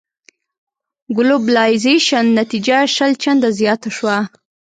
ګلوبلایزېشن نتيجه شل چنده زياته شوه.